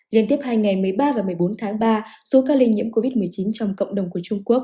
liên tiếp hai ngày một mươi ba và một mươi bốn tháng ba số ca lây nhiễm covid một mươi chín trong cộng đồng của trung quốc